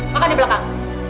makan di belakang